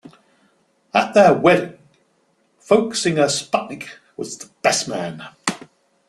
At their wedding, folk singer Sputnik was best man.